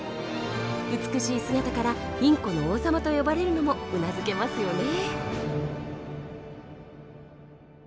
美しい姿からインコの王様と呼ばれるのもうなずけますよね。